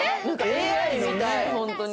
ＡＩみたい本当に。